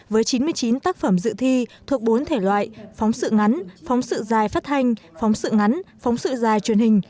với chín mươi chín tác phẩm dự thi thuộc bốn thể loại phóng sự ngắn phóng sự dài phát thanh phóng sự ngắn phóng sự dài truyền hình